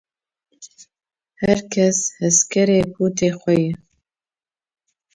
Her kes hezkerê pûtê xwe ye.